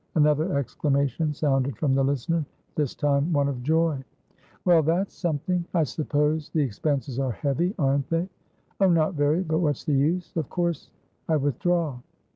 Another exclamation sounded from the listener, this time one of joy. "Well, that's something! I suppose the expenses are heavy, aren't they?" "Oh, not very. But what's the use? Of course I withdraw."